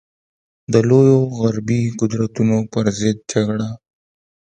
د لویو غربي قدرتونو پر ضد جګړه.